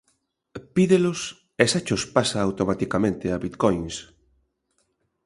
Pídelos e xa chos pasa automaticamente a bitcoins.